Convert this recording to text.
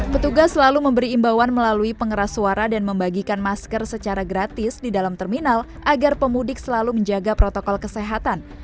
petugas selalu memberi imbauan melalui pengeras suara dan membagikan masker secara gratis di dalam terminal agar pemudik selalu menjaga protokol kesehatan